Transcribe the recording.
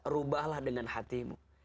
rubahlah dengan hatimu